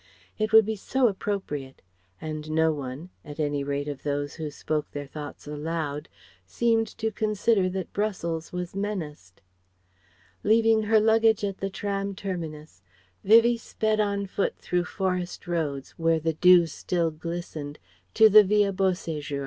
It would be so appropriate. And no one at any rate of those who spoke their thoughts aloud seemed to consider that Brussels was menaced. Leaving her luggage at the tram terminus, Vivie sped on foot through forest roads, where the dew still glistened, to the Villa Beau séjour.